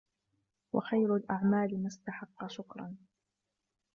وَخَيْرُ الْأَعْمَالِ مَا اسْتَحَقَّ شُكْرًا